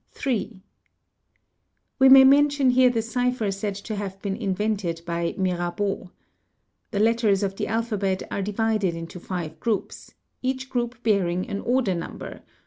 We may mention here the cipher said to have been invented by Mirabeau. The letters of the alphabet are divided into five groups, each group bearing an order number, e.